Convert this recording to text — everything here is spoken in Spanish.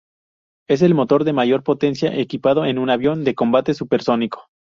Es el motor de mayor potencia equipado en un avión de combate supersónico.